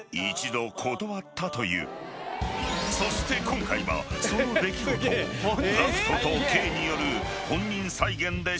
［そして今回はその出来事をＧＡＣＫＴとＫによる］